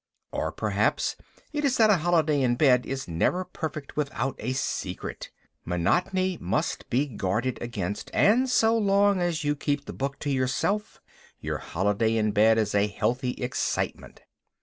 Or, perhaps, it is that a holiday in bed is never perfect without a secret. Monotony must be guarded against, and so long as you keep the book to yourself your holiday in bed is a healthy excitement.